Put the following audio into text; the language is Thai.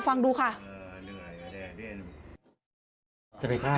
พระต่ายสวดมนต์